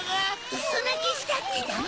ウソなきしたってダメ！